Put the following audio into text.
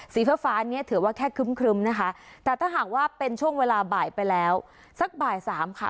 ฟ้าฟ้าเนี่ยถือว่าแค่ครึ้มนะคะแต่ถ้าหากว่าเป็นช่วงเวลาบ่ายไปแล้วสักบ่ายสามค่ะ